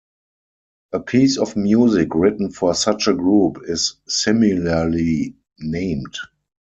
A piece of music written for such a group is similarly named.